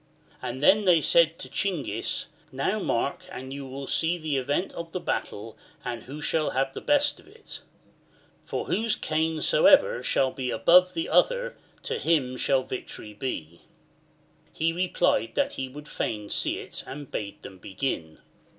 And then they said to Chinghis :" Now VOL. L Q 242 MARCO rOLO Book I. mark! and you will see the event of the battle, and who shall have the best of it ; for whose cane soever shall get above the other, to him shall victory be." He replied that he would fain see it, and bade them begin.